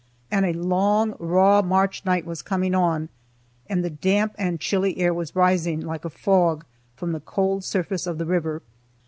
And a long, raw March night was coming on, and the damp and chilly air was rising, like a fog, from the cold surface of the river.